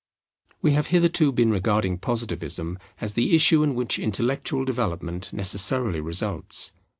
We have hitherto been regarding Positivism as the issue in which intellectual development necessarily results.